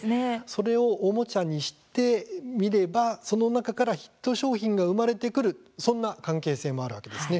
それをおもちゃにしてみればその中からヒット商品が生まれてくるそんな関係性もあるわけです。